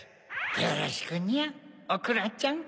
よろしくにゃおくらちゃん。